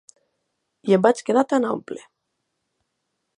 I em vaig quedar tan ample.